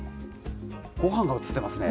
ごはんが映ってますね。